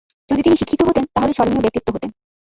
যদি তিনি শিক্ষিত হতেন, তাহলে স্মরণীয় ব্যক্তিত্ব হতেন।